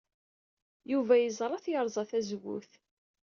Yuba yeẓra-t yerẓa tazewwut.